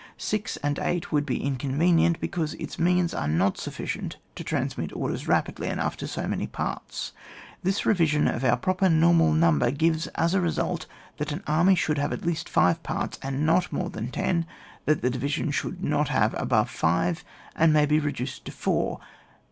— Six and eight would be inconvenient, because its means are not sufficient to transmit orders rapidly enough to so many parts. This revision of our proper normal number, gives as a result, that an army should have at least five parts, and not more than ten ; that the division should not have above five, and may be reduced to four.